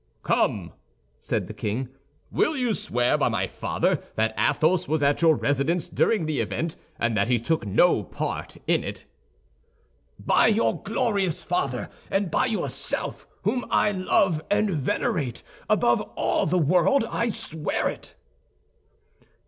"Come," said the king, "will you swear, by my father, that Athos was at your residence during the event and that he took no part in it?" "By your glorious father, and by yourself, whom I love and venerate above all the world, I swear it."